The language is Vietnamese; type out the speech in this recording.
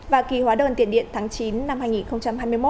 và kỳ hóa đơn tiền điện tháng chín năm hai nghìn hai mươi một